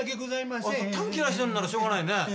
タン切らしてるならしょうがないね。